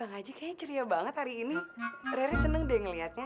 bang haji kayaknya ceria banget hari ini rere seneng deh ngeliatnya nggak